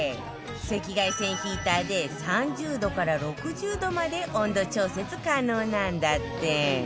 赤外線ヒーターで３０度から６０度まで温度調節可能なんだって